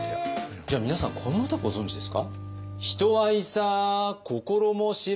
じゃあ皆さんこの歌ご存じですか？